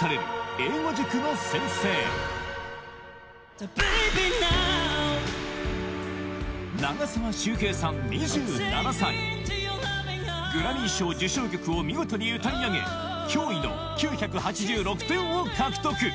Ｔｈａｔｂａｂｙｎｏｗグラミー賞受賞曲を見事に歌い上げ驚異の９８６点を獲得